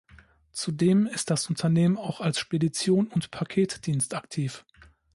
Zudem ist das Unternehmen auch als Spedition und Paketdienst aktiv.